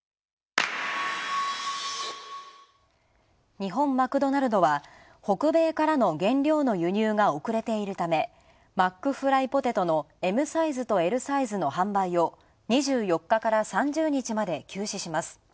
日本マクドナルドは、北米からの原料の輸入が遅れているため、マックフライポテトのＭサイズとＬサイズの販売を２４日から３０日まで休止します。